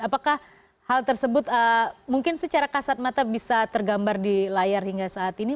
apakah hal tersebut mungkin secara kasat mata bisa tergambar di layar hingga saat ini